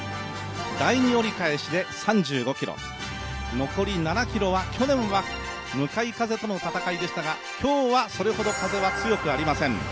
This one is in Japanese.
第二折り返しで３５ｋｍ、残り７ｋｍは去年は向かい風との戦いでしたが、今日はそれほど風は強くありません。